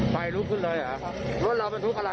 ไฟลุกขึ้นเลยเหรอรถเราเป็นทุกขาลัย